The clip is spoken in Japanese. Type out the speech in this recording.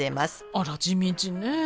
あら地道ねえ。